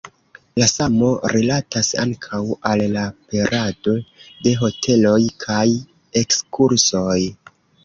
La samo rilatas ankaŭ al la perado de hoteloj kaj ekskursoj.